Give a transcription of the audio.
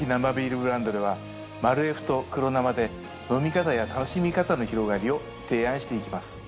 ブランドでは「マルエフ」と「黒生」で飲み方や楽しみ方の広がりを提案していきます。